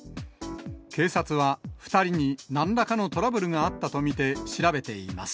警察は２人になんらかのトラブルがあったと見て調べています。